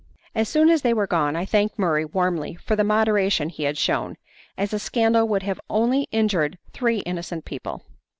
As soon as they were gone I thanked Murray warmly for the moderation he had shewn, as a scandal would have only injured three innocent people.